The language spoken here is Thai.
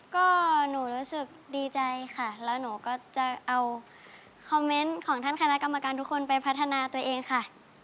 ก็หนูรู้สึกดีใจค่ะแล้วหนูก็จะเอาคอมเมนต์ของท่านคณะกรรมการทุกคนไปพัฒนาตัวเองค่ะ